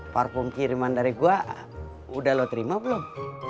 parfum kiriman dari gua udah lo terima belum